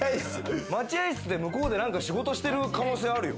待合室で向こうで仕事してる可能性あるよ。